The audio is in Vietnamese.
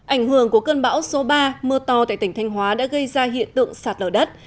ảnh hưởng của cơn bão số ba mưa to tại tỉnh thanh hóa đã gây ra hiện tượng sạt lở đất